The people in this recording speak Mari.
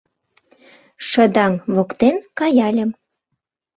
Шыдаҥ воктен каяльым -